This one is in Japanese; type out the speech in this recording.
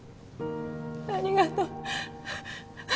ありがとう